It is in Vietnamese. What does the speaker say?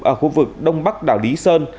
ở khu vực đông bắc đảo lý sơn